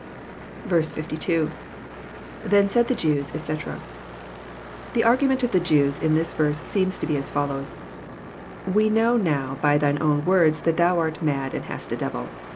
A2. — [Then said the JewSj etc,] The argument of the Jews in this verse seems to be as follows :We know now by Thy own words that Thou art mad and hast a devil.